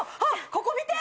ここ見て！